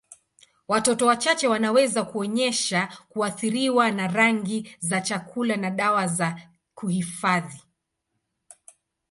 Watoto wachache wanaweza kuonyesha kuathiriwa na rangi za chakula na dawa za kuhifadhi.